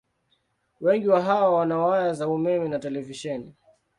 Wengi wa hawa wana waya za umeme na televisheni.